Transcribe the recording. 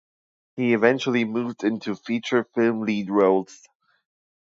He eventually moved into feature film lead roles.